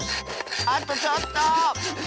あとちょっと！